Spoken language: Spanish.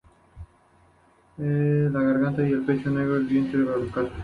La garganta y el pecho son negros y el vientre es blancuzco.